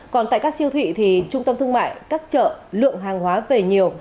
còn tại các siêu thị thì trung tâm thương mại các chợ lượng hàng hóa về nhiều